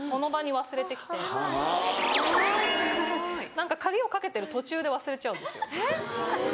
何か鍵をかけてる途中で忘れちゃうんですよ。